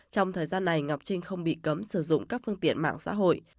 trong thời gian này ngọc trinh không bị cấm sử dụng các phương tiện mạng xã hội